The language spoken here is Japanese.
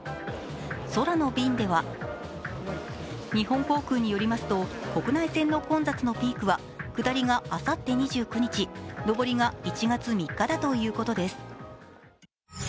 空の便では日本航空によりますと国内線の混雑のピークは下りがあさって２９日上りが１月３日だということです。